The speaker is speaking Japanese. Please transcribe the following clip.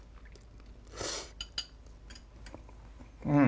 うん。